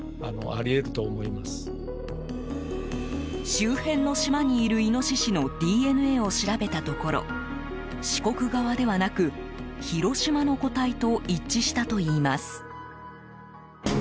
周辺の島にいるイノシシのＤＮＡを調べたところ四国側ではなく、広島の個体と一致したといいます。